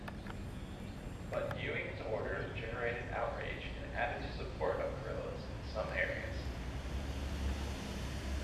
But, Ewing's order generated outrage and added to support of guerrillas in some areas.